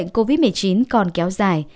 covid một mươi chín còn kéo dài